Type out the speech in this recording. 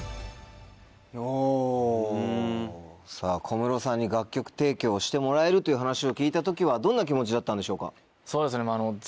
さぁ小室さんに楽曲提供してもらえるという話を聞いた時はどんな気持ちだったんでしょうか？